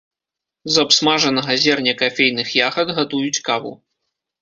З абсмажанага зерня кафейных ягад гатуюць каву.